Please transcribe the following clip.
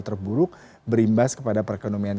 terburuk berimbas kepada perekonomian